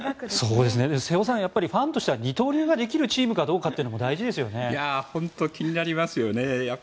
瀬尾さん、ファンとしては二刀流ができるチームかどうかも本当気になりますよね。